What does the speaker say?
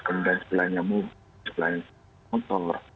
kemudian sebelahnya motor